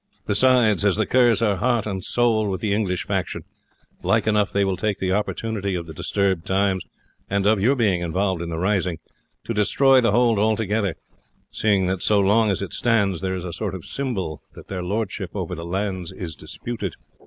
Besides, as the Kerrs are heart and soul with the English faction, like enough they will take the opportunity of the disturbed times, and of your being involved in the rising, to destroy the hold altogether, seeing that so long as it stands there it is a sort of symbol that their lordship over the lands is disputed."